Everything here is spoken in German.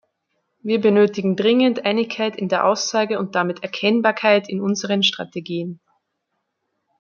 Wir benötigen dringend Einigkeit in der Aussage und damit Erkennbarkeit in unseren Strategien.